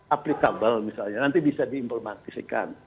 applicable misalnya nanti bisa diinformatifkan